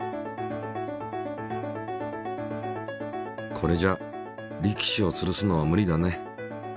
これじゃ力士を吊るすのは無理だね。